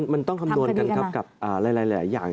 คือมันต้องคำนวณกันกับหลายอย่าง